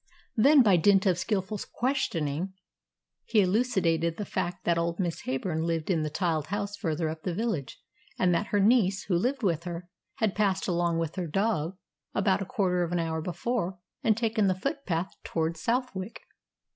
Then, by dint of skilful questioning, he elucidated the fact that old Miss Heyburn lived in the tiled house further up the village, and that her niece, who lived with her, had passed along with her dog about a quarter of an hour before, and taken the footpath towards Southwick.